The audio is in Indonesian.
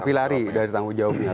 tapi lari dari tanggung jawabnya